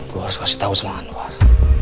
gua harus kasih tau sama anwar